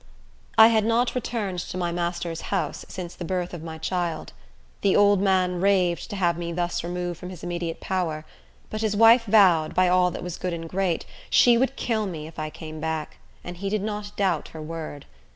I had not returned to my master's house since the birth of my child. The old man raved to have me thus removed from his immediate power; but his wife vowed, by all that was good and great, she would kill me if I came back; and he did not doubt her word.